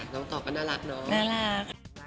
น้องต่อก็น่ารักเนอะ